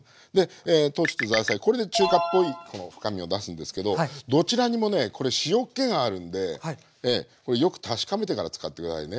これで中華っぽい深みを出すんですけどどちらにもねこれ塩っ気があるんでよく確かめてから使って下さいね。